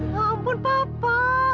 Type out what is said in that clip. ya ampun papa